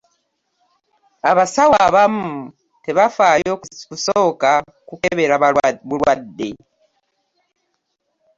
Abasawo abamu tebafaayo kusooka kukebera bulwadde.